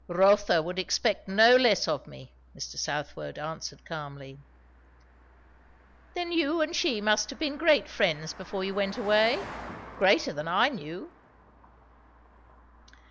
"Rotha would expect no less of me," Mr. Southwode answered calmly. "Then you and she must have been great friends before you went away? greater then I knew."